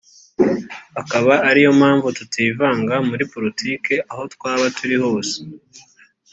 akaba ari yo mpamvu tutivanga muri politiki aho twaba turi hose